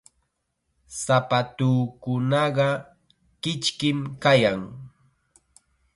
Sapatuukunaqa kichkim kayan.